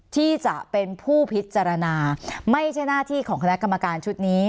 ที่จะเป็นผู้พิจารณาไม่ใช่หน้าที่ของคณะกรรมการชุดนี้